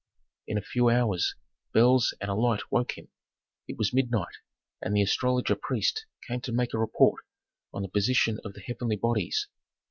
In a few hours bells and a light woke him. It was midnight and the astrologer priest came to make a report on the position of the heavenly bodies.